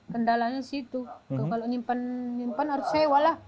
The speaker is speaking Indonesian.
kendalanya sih itu kalau nyimpan harus sewa lah